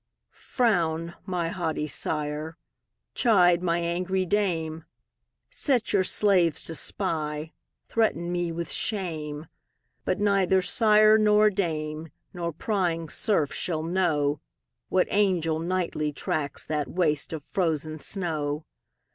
Frown, my haughty sire! chide, my angry dame! Set your slaves to spy; threaten me with shame: But neither sire nor dame, nor prying serf shall know, What angel nightly tracks that waste of frozen snow.